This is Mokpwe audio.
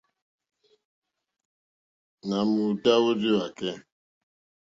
Nà m-ùtá wórzíwàkɛ́.